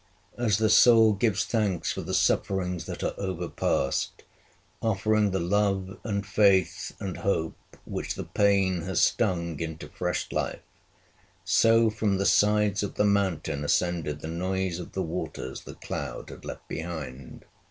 As the soul gives thanks for the sufferings that are overpast, offering the love and faith and hope which the pain has stung into fresh life, so from the sides of the mountain ascended the noise of the waters the cloud had left behind.